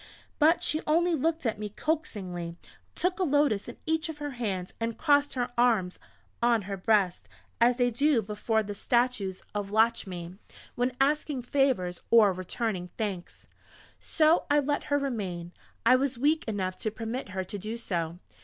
But she only looked at me coaxingly, took a lotus in each of her hands, and crossed her arms on her breast, as they do before the statues of Lachmi, when asking favours or returning thanks. So I let her remain.... I was weak enough to permit her to do so....